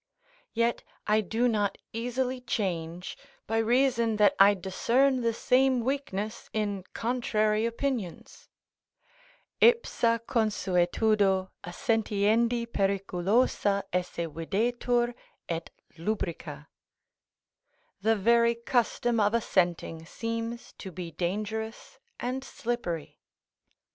Yet I do not easily change, by reason that I discern the same weakness in contrary opinions: "Ipsa consuetudo assentiendi periculosa esse videtur, et lubrica;" ["The very custom of assenting seems to be dangerous and slippery."